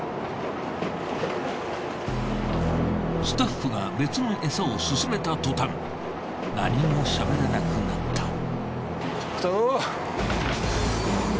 スタッフが別のエサを勧めたとたん何もしゃべらなくなった。